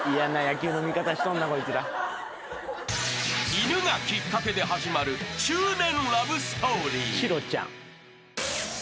［犬がきっかけで始まる中年ラブストーリー］